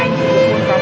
cũng có một bó hoa